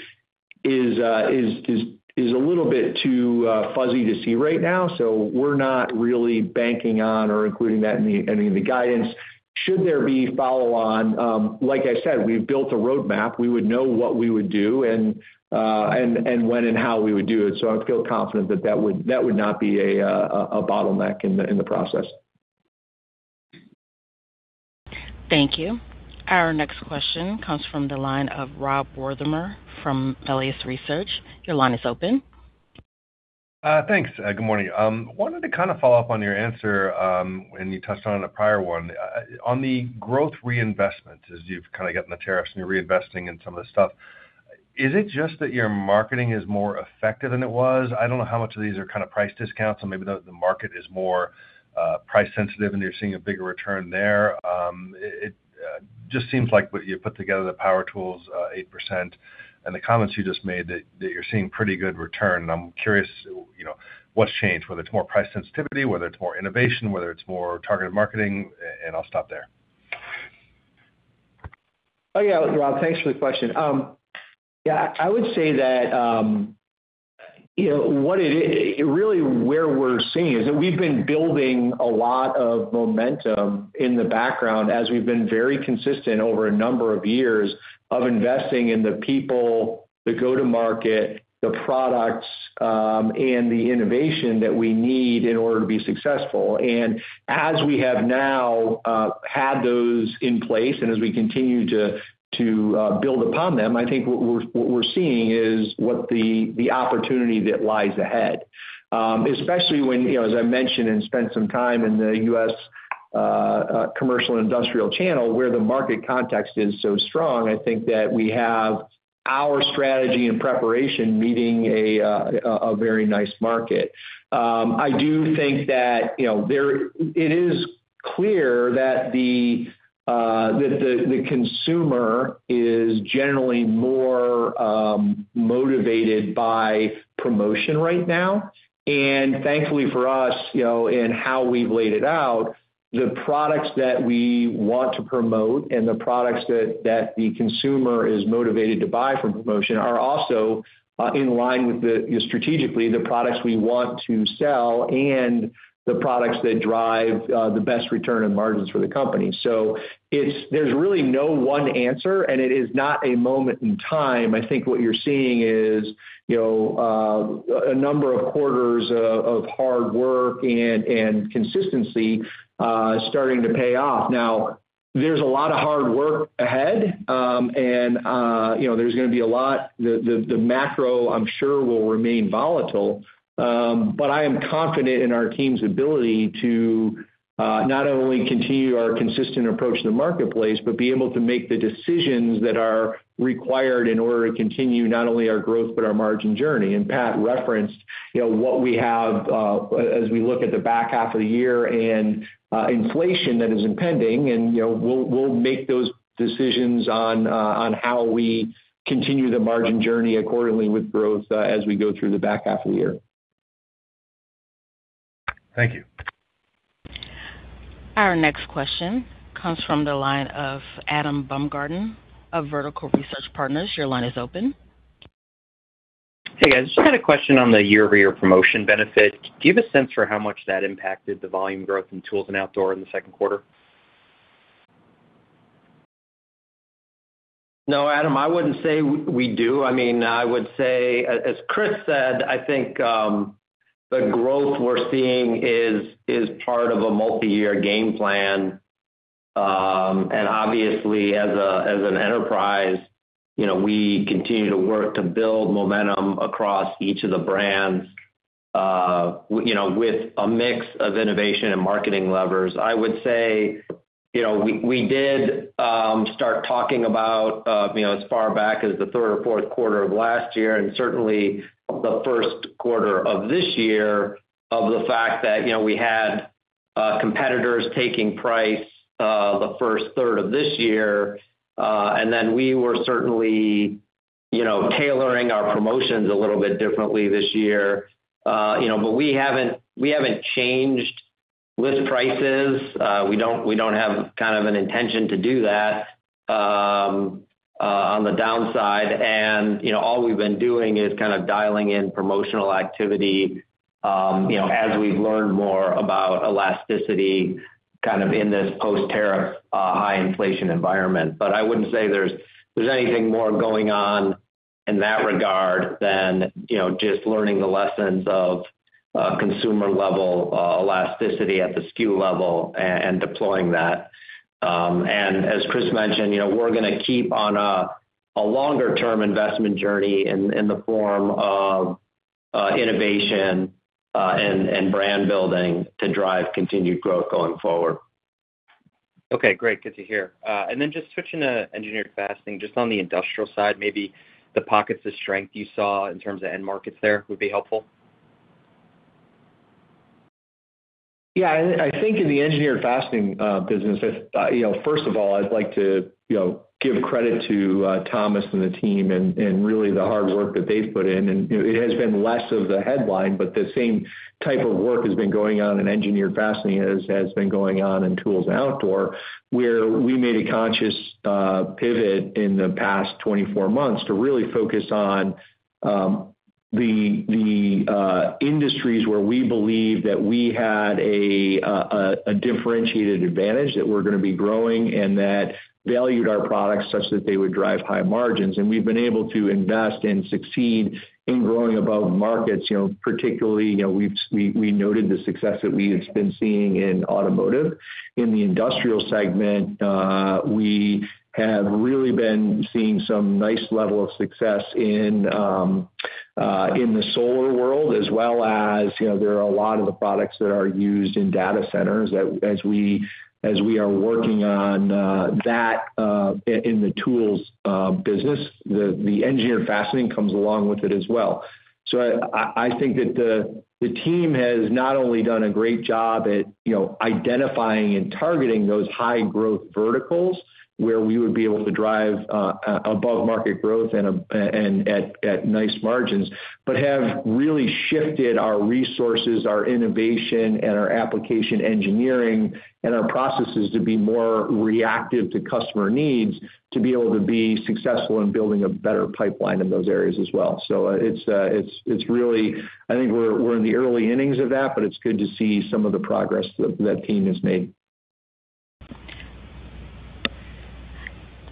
is a little bit too fuzzy to see right now. We're not really banking on or including that in any of the guidance. Should there be follow-on, like I said, we've built a roadmap. We would know what we would do and when and how we would do it. I feel confident that that would not be a bottleneck in the process. Thank you. Our next question comes from the line of Rob Wertheimer from Melius Research. Your line is open. Thanks. Good morning. Wanted to kind of follow up on your answer when you touched on in a prior one. On the growth reinvestment, as you've kind of gotten the tariffs and you're reinvesting in some of the stuff, is it just that your marketing is more effective than it was? I don't know how much of these are kind of price discounts, so maybe the market is more price sensitive and you're seeing a bigger return there. It just seems like what you put together, the power tools, 8%, and the comments you just made that you're seeing pretty good return, and I'm curious what's changed, whether it's more price sensitivity, whether it's more innovation, whether it's more targeted marketing, and I'll stop there. Oh, yeah, Rob. Thanks for the question. Yeah, I would say that really where we're seeing is that we've been building a lot of momentum in the background as we've been very consistent over a number of years of investing in the people, the go-to-market, the products, and the innovation that we need in order to be successful. As we have now had those in place and as we continue to build upon them, I think what we're seeing is what the opportunity that lies ahead. Especially when, as I mentioned and spent some time in the U.S. commercial and industrial channel where the market context is so strong, I think that we have our strategy and preparation meeting a very nice market. I do think that it is clear that the consumer is generally more motivated by promotion right now. Thankfully for us, in how we've laid it out, the products that we want to promote and the products that the consumer is motivated to buy from promotion are also in line with, strategically, the products we want to sell and the products that drive the best return on margins for the company. There's really no one answer, and it is not a moment in time. I think what you're seeing is a number of quarters of hard work and consistency starting to pay off. There's a lot of hard work ahead, and there's going to be the macro, I'm sure, will remain volatile. I am confident in our team's ability to not only continue our consistent approach to the marketplace, but be able to make the decisions that are required in order to continue not only our growth but our margin journey. Pat referenced what we have as we look at the back half of the year and inflation that is impending, and we'll make those decisions on how we continue the margin journey accordingly with growth as we go through the back half of the year. Thank you. Our next question comes from the line of Adam Baumgarten of Vertical Research Partners. Your line is open. Hey, guys. Just had a question on the year-over-year promotion benefit. Do you have a sense for how much that impacted the volume growth in Tools and Outdoor in the Q2? No, Adam, I wouldn't say we do. I would say, as Chris said, I think the growth we're seeing is part of a multi-year game plan. Obviously, as an enterprise, we continue to work to build momentum across each of the brands with a mix of innovation and marketing levers. I would say, we did start talking about as far back as the third or fourth quarter of last year, certainly the first quarter of this year, of the fact that we had competitors taking price the first third of this year. Then we were certainly tailoring our promotions a little bit differently this year. We haven't changed list prices. We don't have an intention to do that on the downside. All we've been doing is kind of dialing in promotional activity as we learn more about elasticity in this post-tariff high inflation environment. I wouldn't say there's anything more going on in that regard than just learning the lessons of consumer level elasticity at the SKU level and deploying that. As Chris mentioned, we're going to keep on a longer-term investment journey in the form of innovation and brand building to drive continued growth going forward. Okay, great. Good to hear. Just switching to Engineered Fastening, just on the Industrial side, maybe the pockets of strength you saw in terms of end markets there would be helpful. I think in the Engineered Fastening business, first of all, I'd like to give credit to Thomas and the team and really the hard work that they've put in. It has been less of the headline, but the same type of work has been going on in Engineered Fastening as has been going on in Tools & Outdoor. We made a conscious pivot in the past 24 months to really focus on the industries where we believe that we had a differentiated advantage that we're going to be growing and that valued our products such that they would drive high margins. We've been able to invest and succeed in growing above markets. Particularly, we noted the success that we have been seeing in Automotive. In the Industrial Segment, we have really been seeing some nice level of success in the Solar world as well as there are a lot of the products that are used in data centers as we are working on that in the Tools business. The Engineered Fastening comes along with it as well. I think that the team has not only done a great job at identifying and targeting those high growth verticals where we would be able to drive above market growth and at nice margins, but have really shifted our resources, our innovation, and our application engineering and our processes to be more reactive to customer needs to be able to be successful in building a better pipeline in those areas as well. I think we're in the early innings of that, but it's good to see some of the progress that team has made.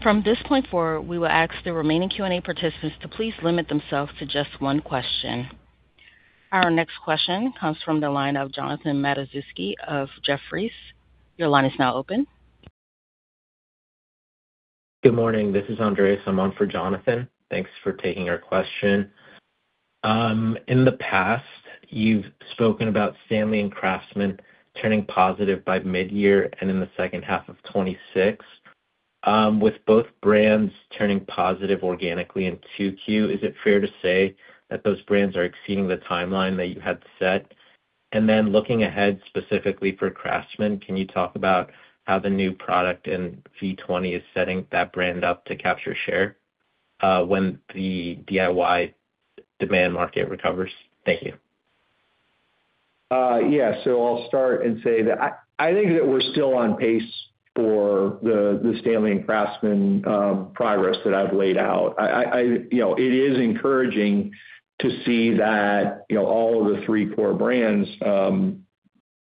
From this point forward, we will ask the remaining Q&A participants to please limit themselves to just one question. Our next question comes from the line of Jonathan Matuszewski of Jefferies. Your line is now open. Good morning. This is Andreas. I'm on for Jonathan. Thanks for taking our question. In the past, you've spoken about STANLEY and CRAFTSMAN turning positive by mid-year and in the second half of 2026. With both brands turning positive organically in 2Q, is it fair to say that those brands are exceeding the timeline that you had set? Looking ahead, specifically for CRAFTSMAN, can you talk about how the new product in V20 is setting that brand up to capture share when the DIY demand market recovers? Thank you. Yeah. I'll start and say that I think that we're still on pace for the STANLEY and CRAFTSMAN progress that I've laid out. It is encouraging to see that all of the three core brands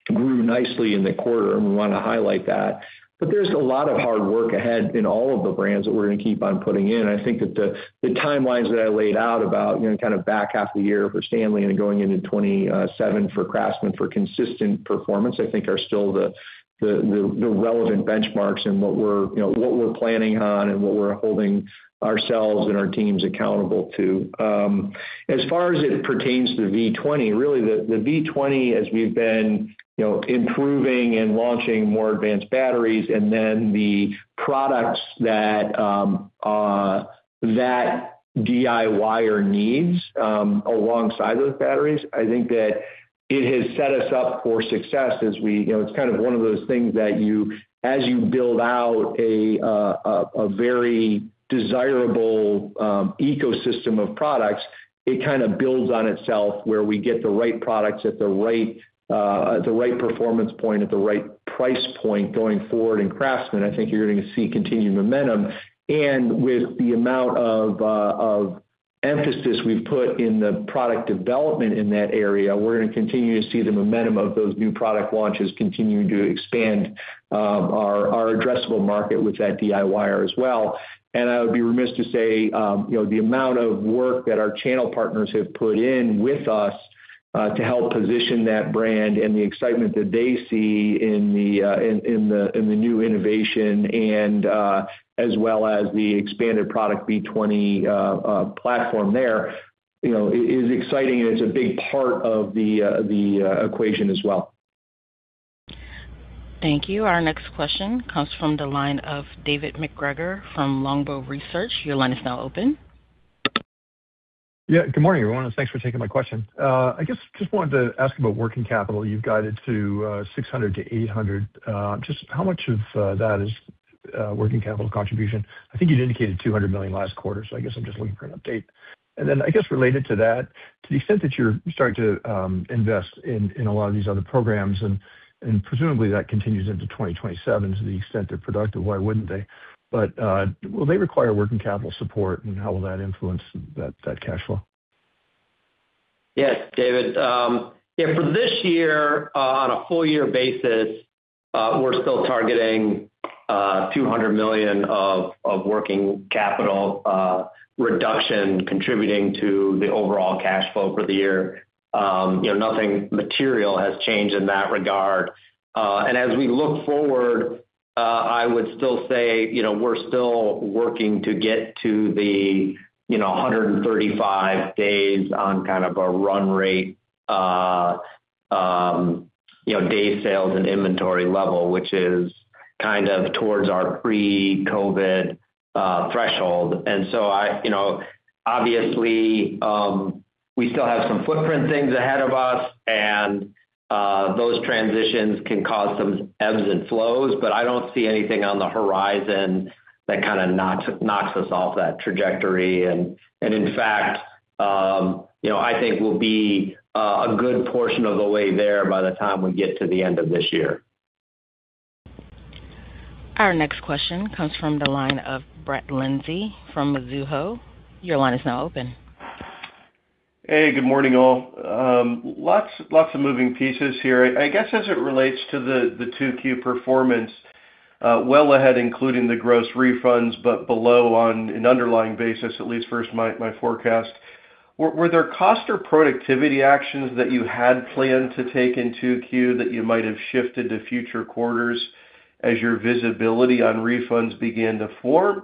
grew nicely in the quarter, and we want to highlight that. There's a lot of hard work ahead in all of the brands that we're going to keep on putting in. I think that the timelines that I laid out about kind of back half of the year for STANLEY and going into 2027 for CRAFTSMAN for consistent performance, I think are still the relevant benchmarks in what we're planning on and what we're holding ourselves and our teams accountable to. As far as it pertains to V20, really, the V20 as we've been improving and launching more advanced batteries and then the products that DIY-er needs alongside those batteries, I think that it has set us up for success. It's kind of one of those things that as you build out a very desirable ecosystem of products, it kind of builds on itself, where we get the right products at the right performance point, at the right price point going forward. In CRAFTSMAN, I think you're going to see continued momentum. With the amount of emphasis we've put in the product development in that area, we're going to continue to see the momentum of those new product launches continuing to expand our addressable market with that DIY-er as well. I would be remiss to say the amount of work that our channel partners have put in with us to help position that brand and the excitement that they see in the new innovation and as well as the expanded product V20 platform there is exciting, and it's a big part of the equation as well. Thank you. Our next question comes from the line of David MacGregor from Longbow Research. Your line is now open. Good morning, everyone, and thanks for taking my question. I guess just wanted to ask about working capital. You've guided to $600 million-$800 million. Just how much of that is working capital contribution? I think you'd indicated $200 million last quarter, so I guess I'm just looking for an update. Then, I guess related to that, to the extent that you're starting to invest in a lot of these other programs, and presumably that continues into 2027 to the extent they're productive, why wouldn't they? Will they require working capital support, and how will that influence that cash flow? Yes, David. For this year, on a full year basis, we're still targeting $200 million of working capital reduction contributing to the overall cash flow for the year. Nothing material has changed in that regard. As we look forward, I would still say we're still working to get to the 135 days on kind of a run rate day sales and inventory level, which is kind of towards our pre-COVID threshold. So obviously, we still have some footprint things ahead of us, and those transitions can cause some ebbs and flows, but I don't see anything on the horizon that kind of knocks us off that trajectory. In fact, I think we'll be a good portion of the way there by the time we get to the end of this year. Our next question comes from the line of Brett Linzey from Mizuho. Your line is now open. Hey, good morning, all. Lots of moving pieces here. I guess as it relates to the 2Q performance, well ahead including the gross refunds, but below on an underlying basis, at least versus my forecast. Were there cost or productivity actions that you had planned to take in 2Q that you might have shifted to future quarters as your visibility on refunds began to form?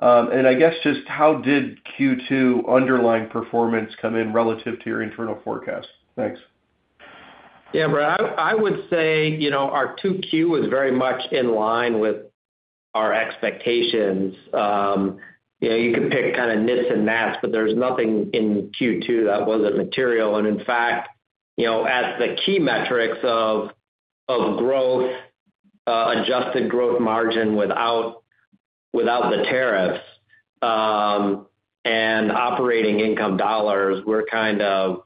I guess just how did Q2 underlying performance come in relative to your internal forecast? Thanks. Yeah, Brett. I would say our 2Q was very much in line with our expectations. You could pick kind of nits and gnats, but there's nothing in Q2 that wasn't material. In fact, as the key metrics of growth, adjusted growth margin without the tariffs, and operating income dollars, we're kind of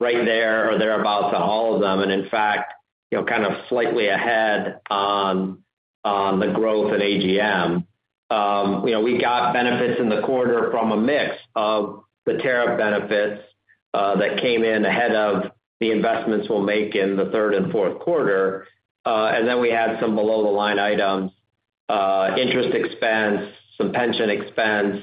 right there or thereabouts on all of them. In fact, kind of slightly ahead on the growth in AGM. We got benefits in the quarter from a mix of the tariff benefits that came in ahead of the investments we'll make in the Q2 and Q3. We had some below-the-line items, interest expense, some pension expense,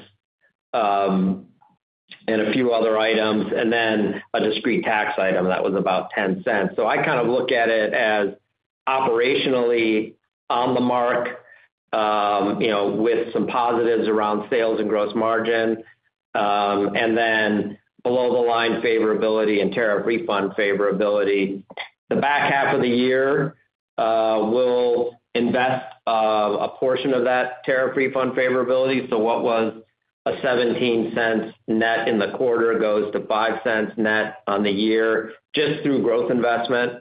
and a few other items, and then a discrete tax item that was about $0.10. I kind of look at it as operationally on the mark with some positives around sales and gross margin. Below the line favorability and tariff refund favorability. The back half of the year, we'll invest a portion of that tariff refund favorability. So what was a $0.17 net in the quarter goes to $0.05 net on the year, just through growth investment.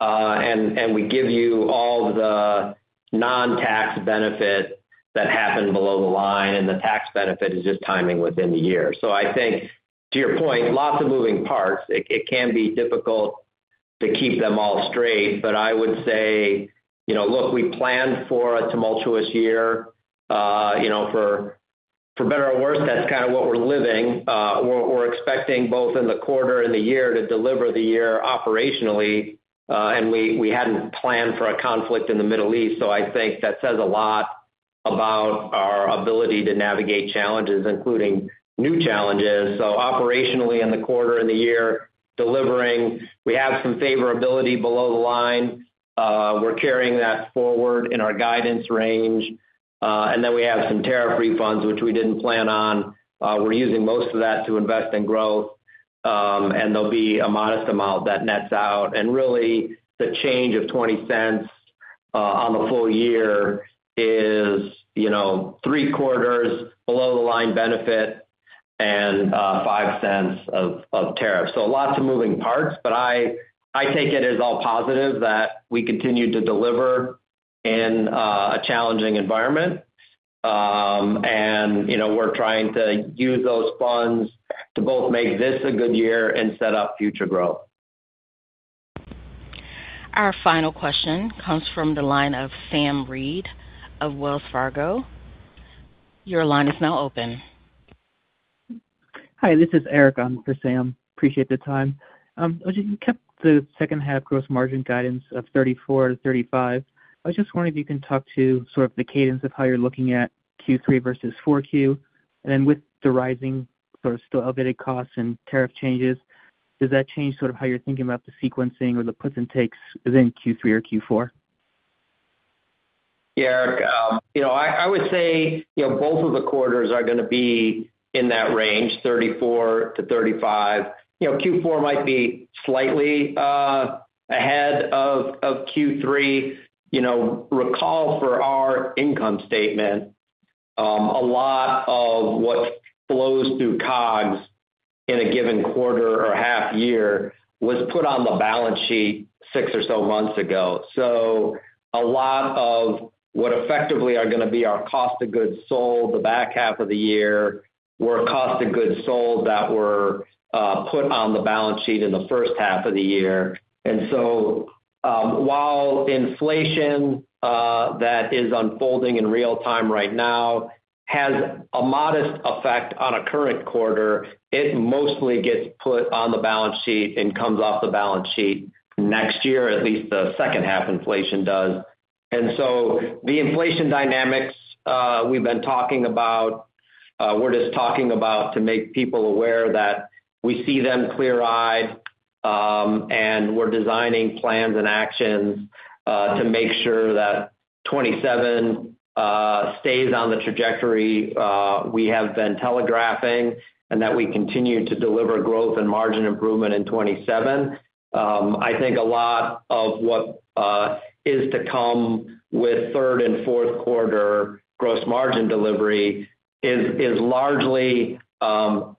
We give you all the non-tax benefit that happened below the line, and the tax benefit is just timing within the year. I think to your point, lots of moving parts. It can be difficult to keep them all straight. I would say, look, we planned for a tumultuous year. For better or worse, that's kind of what we're living. We're expecting both in the quarter and the year to deliver the year operationally. We hadn't planned for a conflict in the Middle East, so I think that says a lot about our ability to navigate challenges, including new challenges. Operationally in the quarter and the year, delivering, we have some favorability below the line. We're carrying that forward in our guidance range. We have some tariff refunds, which we didn't plan on. We're using most of that to invest in growth. There'll be a modest amount that nets out. Really, the change of $0.20 on the full year is three quarters below the line benefit and $0.05 of tariffs. Lots of moving parts, but I take it as all positive that we continue to deliver in a challenging environment. We're trying to use those funds to both make this a good year and set up future growth. Our final question comes from the line of Sam Reid of Wells Fargo. Your line is now open. Hi, this is Eric. I'm with Sam. Appreciate the time. As you kept the second half gross margin guidance of 34%-35%, I was just wondering if you can talk to sort of the cadence of how you're looking at Q3 versus 4Q. With the rising sort of still elevated costs and tariff changes, does that change sort of how you're thinking about the sequencing or the puts and takes within Q3 or Q4? Yeah, Eric. I would say both of the quarters are gonna be in that range, 34%-35%. Q4 might be slightly ahead of Q3. Recall for our income statement, a lot of what flows through COGS in a given quarter or half year was put on the balance sheet six or so months ago. A lot of what effectively are gonna be our cost of goods sold the back half of the year were cost of goods sold that were put on the balance sheet in the first half of the year. While inflation that is unfolding in real time right now has a modest effect on a current quarter, it mostly gets put on the balance sheet and comes off the balance sheet next year, at least the second half inflation does. The inflation dynamics we've been talking about, we're just talking about to make people aware that we see them clear-eyed, and we're designing plans and actions to make sure that 2027 stays on the trajectory we have been telegraphing, and that we continue to deliver growth and margin improvement in 2027. I think a lot of what is to come with third and fourth quarter gross margin delivery is largely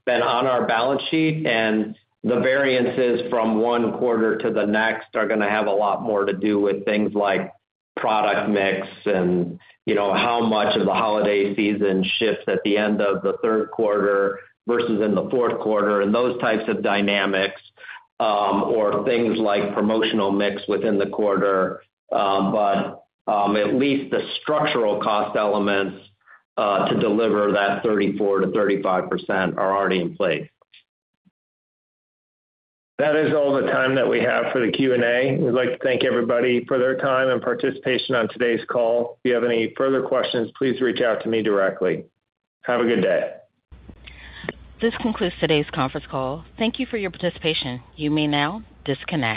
been on our balance sheet, and the variances from one quarter to the next are going to have a lot more to do with things like product mix and how much of the holiday season shifts at the end of the third quarter versus in the fourth quarter and those types of dynamics, or things like promotional mix within the quarter. At least the structural cost elements to deliver that 34%-35% are already in place. That is all the time that we have for the Q&A. We'd like to thank everybody for their time and participation on today's call. If you have any further questions, please reach out to me directly. Have a good day. This concludes today's conference call. Thank you for your participation. You may now disconnect.